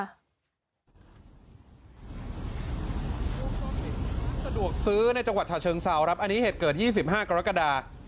สะดวกซื้อในจังหวัดฉะเชิงเซาครับอันนี้เหตุเกิด๒๕กรกฎา